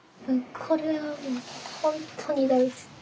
これは本当に大好き。